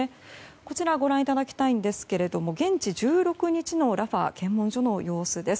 こちらご覧いただきたいんですが現地１６日のラファ検問所の様子です。